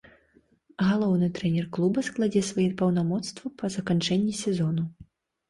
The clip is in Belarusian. Галоўны трэнер клуба складзе свае паўнамоцтвы па заканчэнні сезону.